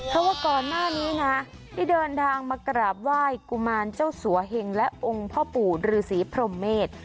เพราะว่าก่อนหน้านี้นะได้เดินทางมากราบไหว้กุมารเจ้าสัวเหงและองค์พ่อปู่ฤษีพรมเมษ